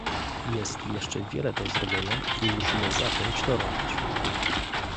Jest jeszcze wiele do zrobienia i musimy zacząć to robić